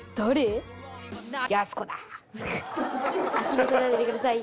気にしないでください。